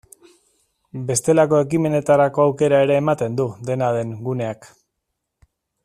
Bestelako ekimenetarako aukera ere ematen du, dena den, guneak.